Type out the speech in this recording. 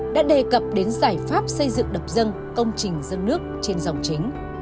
đã đề cập đến giải pháp xây dựng đập dân công trình dân nước trên dòng chính